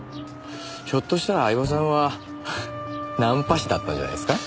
ひょっとしたら饗庭さんはナンパ師だったんじゃないですか？